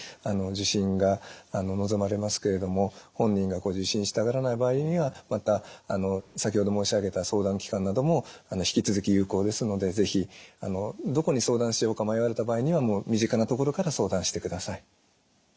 受診が望まれますけれども本人が受診したがらない場合にはまた先ほど申し上げた相談機関なども引き続き有効ですので是非どこに相談しようか迷われた場合にはもう身近なところから相談してください。